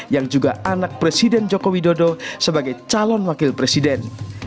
yang juga anak presiden joko widodo sebagai calon wakil presiden